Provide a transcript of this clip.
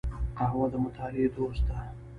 قهوه د مطالعې دوست ده